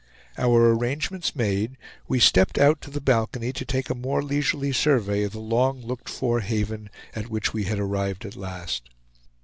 Our arrangements made, we stepped out to the balcony to take a more leisurely survey of the long looked for haven at which we had arrived at last.